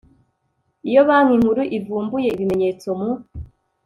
Iyo Banki Nkuru ivumbuye ibimenyetso mu